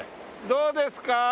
どうですか？